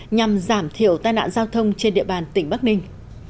nhằm giảm thiểu tai nạn giao thông trên địa bàn tỉnh bắc ninh